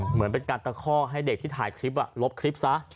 เหมือนเป็นการตะข้อให้เด็กที่ถ่ายคลิปลบคลิปซะ